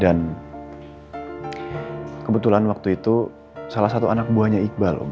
dan kebetulan waktu itu salah satu anak buahnya iqbal om